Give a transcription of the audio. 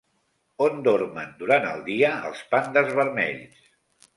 On dormen durant el dia els pandes vermells?